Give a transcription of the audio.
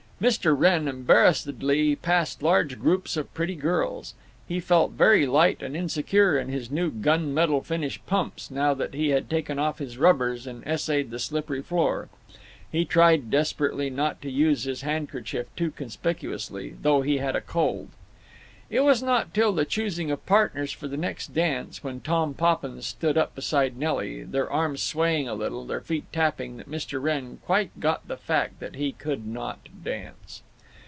Mr. Wrenn embarrassedly passed large groups of pretty girls. He felt very light and insecure in his new gun metal finish pumps now that he had taken off his rubbers and essayed the slippery floor. He tried desperately not to use his handkerchief too conspicuously, though he had a cold. It was not till the choosing of partners for the next dance, when Tom Poppins stood up beside Nelly, their arms swaying a little, their feet tapping, that Mr. Wrenn quite got the fact that he could not dance.